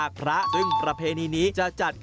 ซึ่งเป็นประเพณีที่มีหนึ่งเดียวในประเทศไทยและหนึ่งเดียวในโลก